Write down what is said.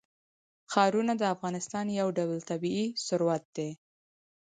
ښارونه د افغانستان یو ډول طبعي ثروت دی.